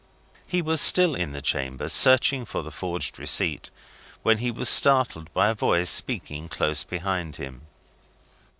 He was still in the chamber, searching for the forged receipt, when he was startled by a voice speaking close behind him.